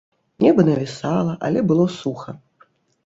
Неба навісала, але было суха.